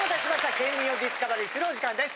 県民をディスカバリーするお時間です。